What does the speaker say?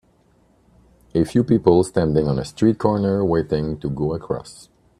A few people standing on a street corner waiting to go across.